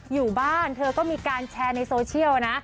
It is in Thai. อยู่บ้านเธอก็มีการแชร์ในโซเชียลนะ